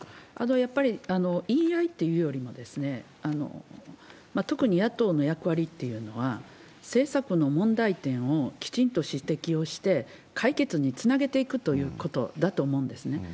やっぱり言い合いというよりも、特に野党の役割っていうのは、政策の問題点をきちんと指摘をして、解決につなげていくということだと思うんですね。